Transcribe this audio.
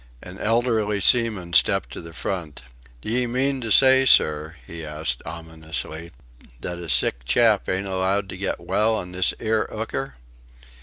An elderly seaman stepped to the front. "D'ye mean to say, sir," he asked, ominously, "that a sick chap ain't allowed to get well in this 'ere hooker?"